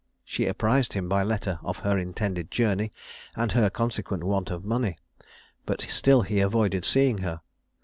She apprised him, by letter, of her intended journey, and her consequent want of money; but still he avoided seeing her.